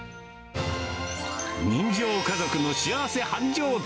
人情家族の幸せ繁盛店。